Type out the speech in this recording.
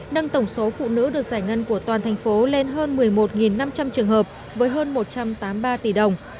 nâng tổng số phụ nữ được giải ngân của toàn thành phố lên hơn một mươi một năm trăm linh trường hợp với hơn một trăm tám mươi ba tỷ đồng